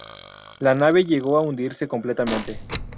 La nave llegó a hundirse completamente.